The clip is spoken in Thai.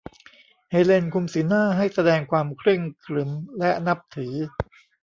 เฮเลนคุมสีหน้าให้แสดงความเคร่งขรึมและนับถือ